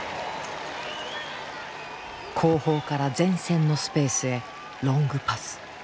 後方から前線のスペースへロングパス。